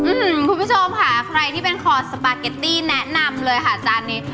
คุณผู้ชมค่ะใครที่เป็นคอสปาเกตตี้แนะนำเลยค่ะจานนี้